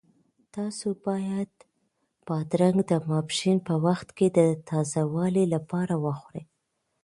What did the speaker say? تاسو باید بادرنګ د ماسپښین په وخت کې د تازه والي لپاره وخورئ.